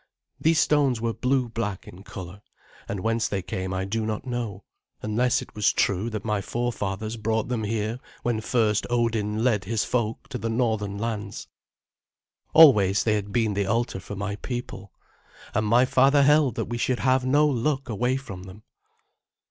These stones were blue black in colour, and whence they came I do not know, unless it was true that my forefathers brought them here when first Odin led his folk to the northern lands. Always they had been the altar for my people, and my father held that we should have no luck away from them.